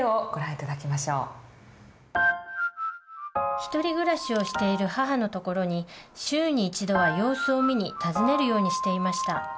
ひとり暮らしをしている母の所に週に一度は様子を見に訪ねるようにしていました。